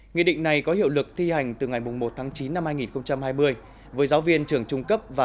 nghị định này có hiệu lực thi hành từ ngày một tháng chín năm hai nghìn hai mươi với giáo viên trường trung cấp và